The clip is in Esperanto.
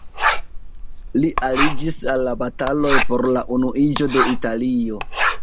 Li aliĝis al la bataloj por la unuiĝo de Italio.